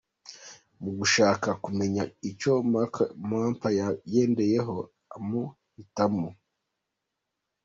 Mu gushaka kumenya icyo Marchal Mampa yagendeyeho amuhitamo.